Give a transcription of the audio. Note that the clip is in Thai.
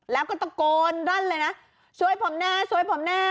แล้วก็ตะโกนรั่นเลยนะช่วยผมแน่ช่วยผมแน่